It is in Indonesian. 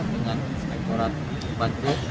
dengan inspektorat bantuluk